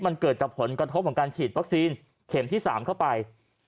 มันเกิดจากผลกระทบของการฉีดวัคซีนเข็มที่๓เข้าไป